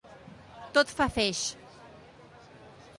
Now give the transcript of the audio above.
Tot fa feix.